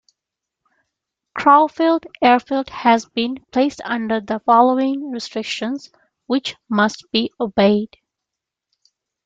Crowfield Airfield has been placed under the following restrictions which must be obeyed.